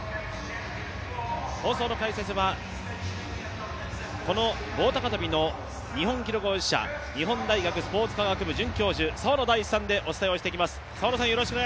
放送の解説はこの棒高跳の日本記録保持者、日本大学スポーツ科学部准教授、澤野大地さんでお伝えしていきます。